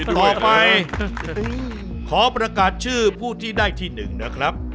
ต่อไปขอประกาศชื่อผู้ที่ได้ที่๑นะครับ